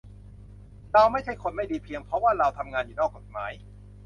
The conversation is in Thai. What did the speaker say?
เราไม่ใช่คนไม่ดีเพียงเพราะว่าเราทำงานอยู่นอกกฎหมาย